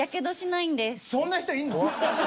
そんな人いるの？